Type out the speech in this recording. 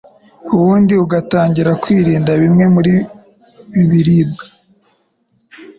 ubundi agatangira kwirinda bimwe mu biribwa